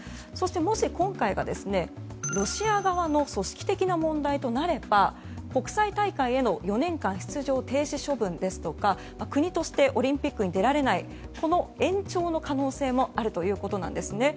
そして、もし今回がロシア側の組織的な問題となれば国際大会への４年間出場停止処分ですとか国としてオリンピックに出られないこの延長の可能性もあるということです。